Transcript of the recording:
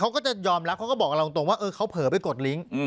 เขาก็จะยอมรับเขาก็บอกอย่างล่างตรงว่าเฮ้อเขาเปิดไปกดลิงก์